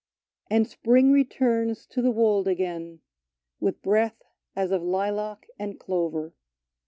" And spring returns to the wold again, With breath as of lilac and clover.